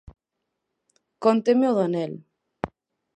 Cónteme o do anel.